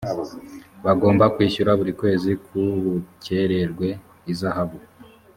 bagomba kwishyura buri kwezi k ubukererwe ihazabu.